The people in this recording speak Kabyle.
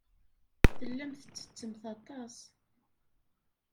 Tellamt tettettemt aṭas.